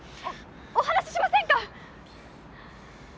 お話ししませんか？